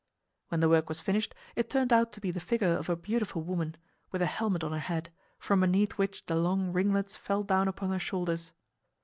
When the work was finished it turned out to be the figure of a beautiful woman, with a helmet on her head, from beneath which the long ringlets fell down upon her shoulders.